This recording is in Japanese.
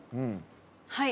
はい。